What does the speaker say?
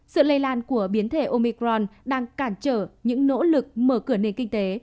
sự lây lan của biến thể omicron đang cản trở những nỗ lực mở cửa nền kinh tế